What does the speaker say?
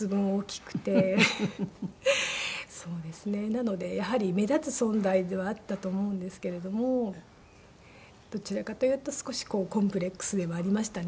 なのでやはり目立つ存在ではあったと思うんですけれどもどちらかというと少しコンプレックスではありましたね。